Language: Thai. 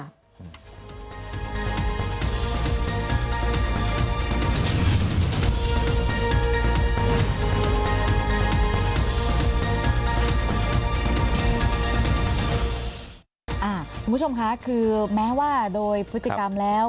คุณผู้ชมคะคือแม้ว่าโดยพฤติกรรมแล้ว